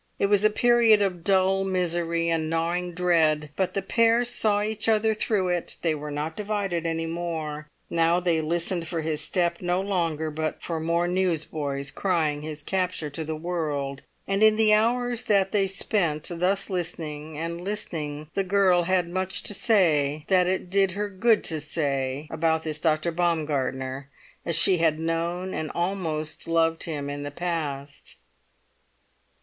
It was a period of dull misery and gnawing dread; but the pair saw each other through it, they were not divided any more. Now they listened for his step no longer, but for more newsboys crying his capture to the world. And in the hours that they spent thus listening, and listening, the girl had much to say, that it did her good to say, about this Dr. Baumgartner as she had known and almost loved him in the past.